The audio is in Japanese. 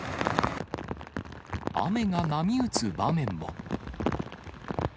雨が波打つ場面も。